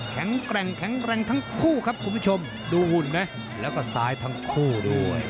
แข็งแรงครังแรงทั้งคู่ครับคุณผู้ชมแล้วก็ซ้ายทั้งคู่ด้วย